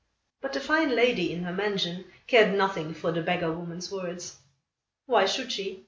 But the fine lady, in her mansion, cared nothing for the beggar woman's words. Why should she?